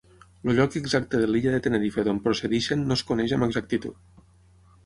El lloc exacte de l'illa de Tenerife d'on procedeixen no es coneix amb exactitud.